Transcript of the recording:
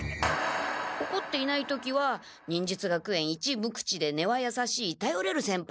おこっていない時は忍術学園一むくちで根はやさしいたよれる先輩なのに。